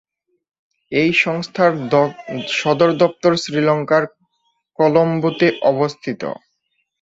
এই সংস্থার সদর দপ্তর শ্রীলঙ্কার কলম্বোতে অবস্থিত।